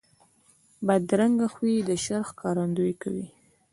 بدرنګه خوی د شر ښکارندویي کوي